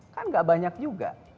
kan enggak banyak juga